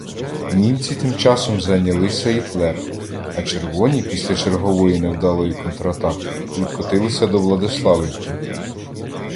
Німці тим часом зайняли Сеїтлер, а «червоні», після чергової невдалої контратаки, відкотилися до Владиславівки.